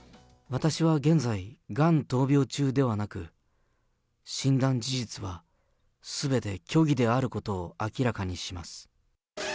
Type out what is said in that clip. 私は現在、がん闘病中ではなく、診断事実はすべて虚偽であることを明らかにします。